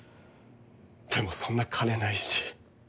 でもそんな金ないし。